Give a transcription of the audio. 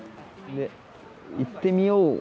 で行ってみよう。